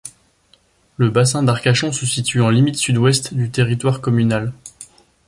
Le bassin d'Arcachon se situe en limite sud-ouest du territoire communal.